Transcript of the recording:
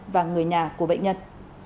và người nhà của bệnh nhân